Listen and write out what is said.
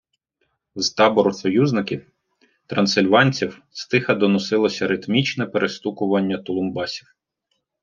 З табору союзників - трансильванців стиха доносилося ритмічне перестукування тулумбасів.